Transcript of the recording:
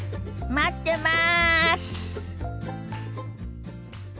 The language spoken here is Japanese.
待ってます！